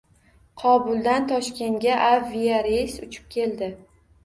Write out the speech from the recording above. Kobuldan Toshkentga aviareys uchib keldi